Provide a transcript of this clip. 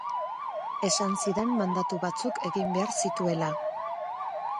Esan zidan mandatu batzuk egin behar zituela.